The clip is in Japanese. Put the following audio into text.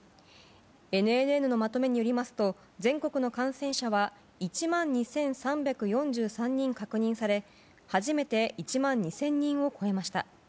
ＮＮＮのまとめによりますと全国の感染者は１万２３４３人確認され初めて１万２０００人を超えました。